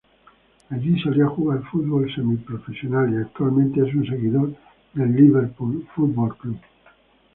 Allí, solía jugar fútbol semi-profesional, y actualmente es un seguidor del Liverpool Football Club.